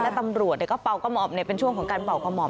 และตำรวจก็เป่ากระหม่อมเป็นช่วงของการเป่ากระห่อม